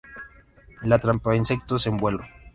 Atrapa insectos en vuelo.